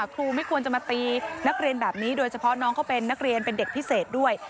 ครูไม่ควรจะมาตีนักเรียนแบบนี้โดยเฉพาะน้องเขาเป็นนักเรียนเป็นเด็กพิเศษด้วย